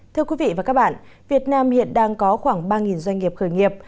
thưa quý vị và các bạn việt nam hiện đang có khoảng ba doanh nghiệp khởi nghiệp